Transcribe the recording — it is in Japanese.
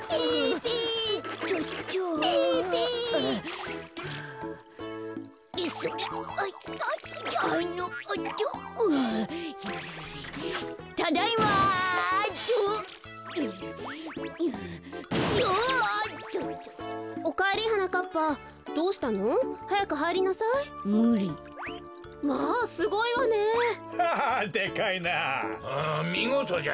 おみごとじゃ。